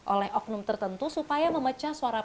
oleh oknum tertentu supaya memecah suara